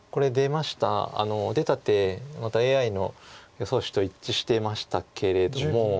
出た手またＡＩの予想手と一致してましたけれども。